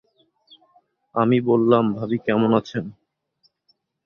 আমি বললাম, ভাবি কেমন আছেন?